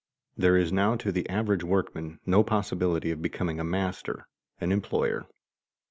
There is now to the average workman no possibility of becoming a master, an employer.